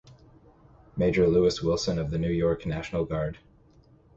Major Louis Wilson of the New York National Guard.